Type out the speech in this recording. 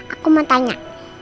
aku mau tanya